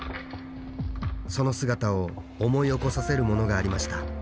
その姿を思い起こさせるものがありました